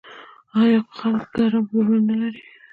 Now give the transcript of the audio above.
آیا خو خلک یې ګرم زړونه نلري؟